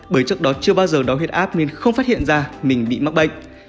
bởi trước đó chưa bao giờ đo huyết áp nên không phát hiện ra mình bị mắc bệnh